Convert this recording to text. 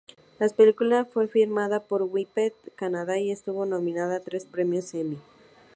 La película fue filmada en Winnipeg, Canadá, y estuvo nominada a tres premios Emmy.